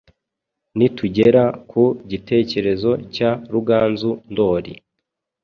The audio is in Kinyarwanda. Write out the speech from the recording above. nitugera ku gitekerezo cya Ruganzu Ndori.